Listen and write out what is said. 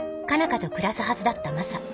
花と暮らすはずだったマサ。